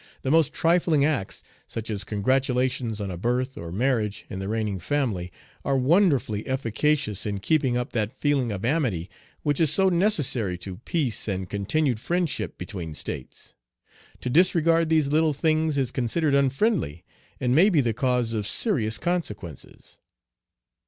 The most trifling acts, such as congratulations on a birth or marriage in the reigning family, are wonderfully efficacious in keeping up that feeling of amity which is so necessary to peace and continued friendship between states. To disregard these little things is considered unfriendly, and may be the cause of serious consequences.